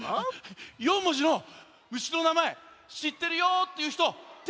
４文字の虫のなまえしってるよっていうひとてあげて！